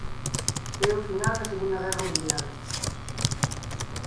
É o final da Segunda guerra mundial.